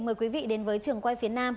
mời quý vị đến với trường quay phía nam